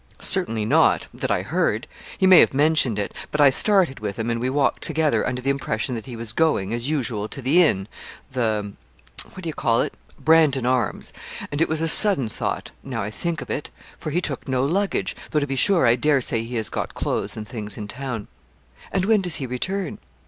'Certainly not, that I heard. He may have mentioned it. But I started with him, and we walked together, under the impression that he was going, as usual, to the inn, the what d'ye call it? "Brandon Arms;" and it was a sudden thought now I think of it for he took no luggage, though to be sure I dare say he has got clothes and things in town.' 'And when does he return?'